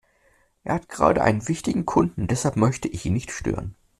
Er hat gerade einen wichtigen Kunden, deshalb möchte ich ihn nicht stören.